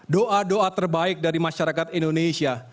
doa doa terbaik dari masyarakat indonesia